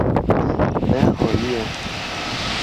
Me aniye.